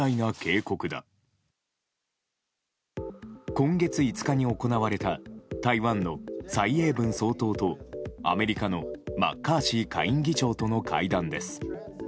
今月５日に行われた台湾の蔡英文総統とアメリカのマッカーシー下院議長との会談です。